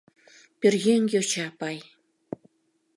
Пӧръеҥ йоча пай.